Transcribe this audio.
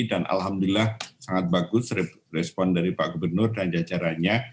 dan alhamdulillah sangat bagus respon dari pak gubernur dan jacaranya